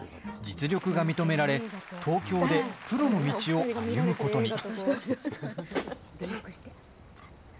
実力が認められ東京でプロの道を歩むことに。